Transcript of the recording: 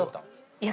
いや！